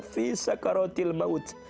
fi sakaroti al mawt